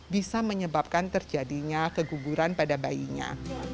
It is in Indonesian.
bisa menyebabkan terjadinya keguguran pada bayinya